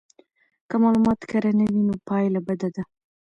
که معلومات کره نه وي نو پایله بده ده.